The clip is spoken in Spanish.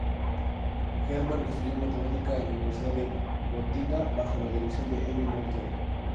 Hermann estudió matemática en la Universidad de Gotinga bajo la dirección de Emmy Noether.